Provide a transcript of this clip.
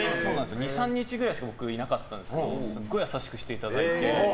２３日くらいしか僕いなかったんですけどすごい優しくしていただいて。